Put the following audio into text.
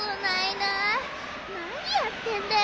なにやってんだよ